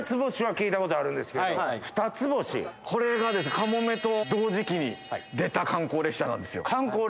かもめと同時期に出た観光列車なんですよ。